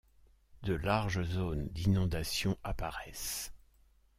De larges zones d'inondation apparaissent.